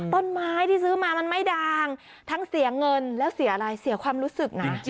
ต้นไม้ที่ซื้อมามันไม่ดังทั้งเสียเงินแล้วเสียอะไรเสียความรู้สึกนะ